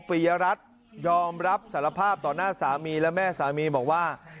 ปียรัฐยอมรับสารภาพต่อหน้าสามีและแม่สามีบอกว่า